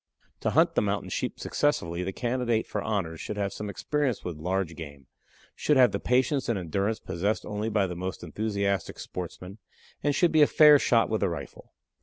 "To hunt the Mountain Sheep successfully the candidate for honors should have some experience with large game, should have the patience and endurance possessed only by the most enthusiastic sportsman, and should be a fair shot with the rifle.